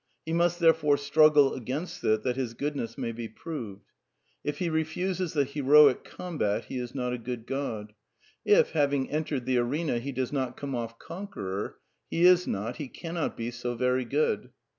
He must, therefore, struggle against it that his goodness may be proved. If he refuses the heroic combat he is not a good God. If, having entered the arena, he does not come off conqueror he is not, he cannot be, so very good.